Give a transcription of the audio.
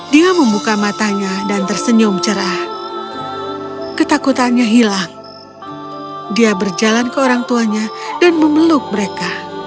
dia membuka matanya dan tersenyum cerah ketakutannya hilang dia berjalan ke orang tuanya dan memeluk mereka